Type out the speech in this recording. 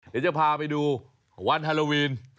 เดี๋ยวจะพาไปดูวันฮาโลวีน